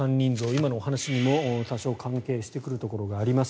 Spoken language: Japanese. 今のお話にも多少関係してくるところがあります。